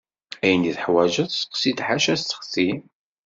Ayen tuḥwaǧeḍ steqsi-d ḥaca aseɣti.